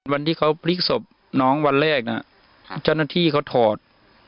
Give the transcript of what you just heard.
วันที่เขาพลิกศพน้องวันแรกนะเจ้าหน้าที่เขาถอด